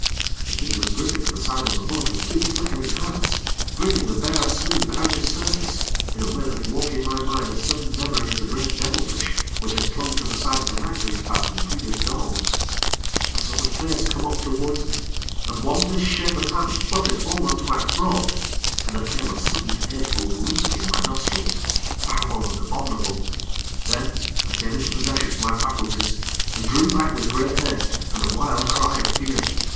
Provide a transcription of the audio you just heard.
The thing was gripping at the side of the boat with two flickering hands gripping the bare, smooth outer surface, in a way that woke in my mind a sudden memory of the great devilfish which had clung to the side of the wreck we had passed in the previous dawn. I saw the face come up towards me, and one misshapen hand fluttered almost to my throat, and there came a sudden, hateful reek in my nostrils foul and abominable. Then, I came into possession of my faculties, and drew back with great haste and a wild cry of fear.